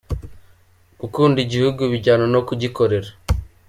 gukunda igihugu bijyana no kugikorera.